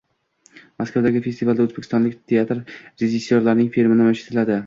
Moskvadagi festivalda o‘zbekistonlik teatr rejissorining filmi namoyish etiladi